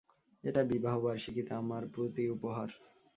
এটা বিবাহবার্ষিকীতে আমার প্রতি উপহার।